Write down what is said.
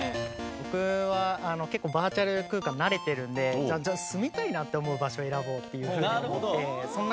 僕は結構バーチャル空間慣れてるので住みたいなって思う場所を選ぼうというふうに思って。